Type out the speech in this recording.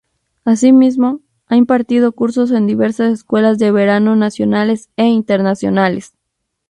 Asimismo, ha impartido cursos en diversas escuelas de verano nacionales e internacionales.